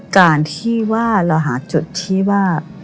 การที่ว่าเราหาจุดที่ว่า